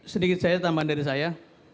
sedikit saya tambahan dari saya